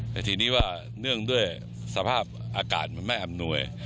แต่ทีนี้ว่าเนื่องด้วยสภาพอากาศมันไม่อำนวย